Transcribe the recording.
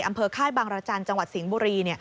ค่ายบางรจันทร์จังหวัดสิงห์บุรี